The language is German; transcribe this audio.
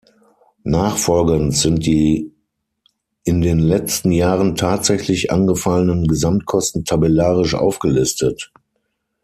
Nachfolgend sind die in den letzten Jahren tatsächlich angefallenen Gesamtkosten tabellarisch aufgelistet.